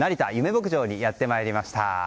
牧場にやってまいりました。